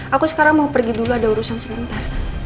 aku sekarang mau pergi dulu ada urusan sebentar